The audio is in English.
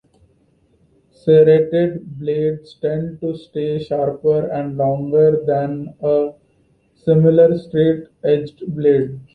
Serrated blades tend to stay sharper and longer than a similar straight edged blade.